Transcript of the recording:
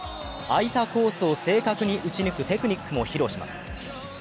空いたコースを正確に打ち抜くテクニックも披露します。